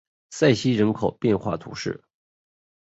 塞西人口变化图示